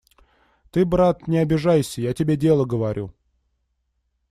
Ты, брат, не обижайся, я тебе дело говорю.